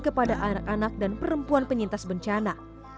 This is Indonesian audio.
kepada anak anak dan perempuan penyintas bencana